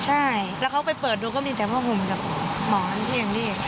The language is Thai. ใช่แล้วเขาไปเปิดดูก็มีแต่ผ้าห่มกับหมอนที่ยังเรียก